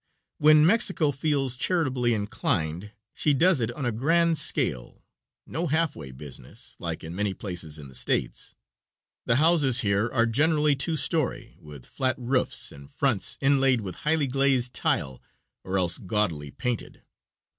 When Mexico feels charitably inclined she does it on a grand scale no half way business, like in many places in the States. The houses here are generally two story, with flat roofs, and fronts inlaid with highly glazed tile or else gaudily painted.